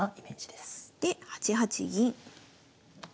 で８八銀。